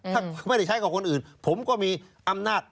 ถ้าไม่ได้ใช้กับคนอื่นผมก็มีอำนาจ